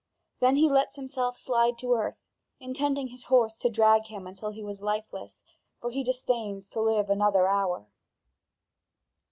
Then he let himself slide to earth, intending his horse to drag him until he was lifeless, for he disdains to live another hour.